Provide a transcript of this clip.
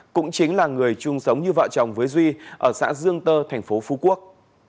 cũng chính là người chung sống như vợ chồng với duy ở xã dương tơ tp phú quốc